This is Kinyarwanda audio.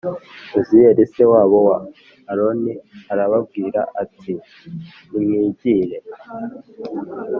Uziyeli se wabo wa aroni arababwira ati nimwigire